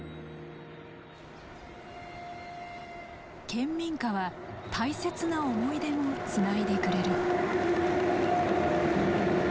県民歌は大切な思い出もつないでくれる。